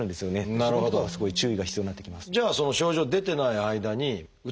そこのところはすごい注意が必要になってきます。